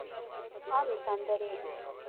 عامې سندرې